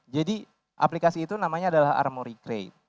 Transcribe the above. jadi aplikasi itu namanya adalah armoury crate